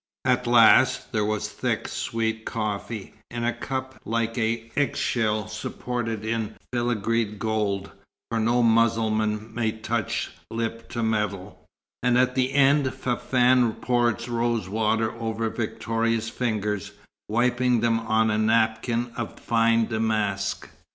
At last, there was thick, sweet coffee, in a cup like a little egg shell supported in filigree gold (for no Mussulman may touch lip to metal), and at the end Fafann poured rosewater over Victoria's fingers, wiping them on a napkin of fine damask.